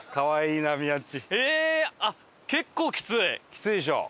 きついでしょ？